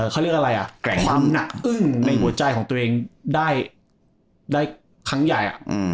เขาเรียกอะไรอ่ะความหนักอึ้งในหัวใจของตัวเองได้ครั้งใหญ่